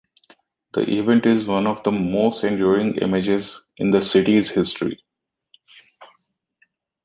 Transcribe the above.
The event is one of the most enduring images in the city's history.